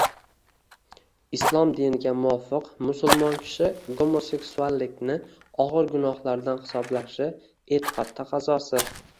Islom diniga muvofiq, musulmon kishi homoseksuallikni og‘ir gunohlardan hisoblashi – e’tiqod taqozosi.